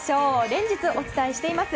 連日お伝えしています